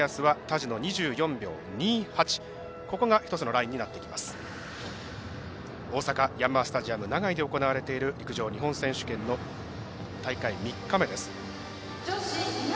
大阪・ヤンマースタジアム長居で行われている陸上日本選手権の大会３日目です。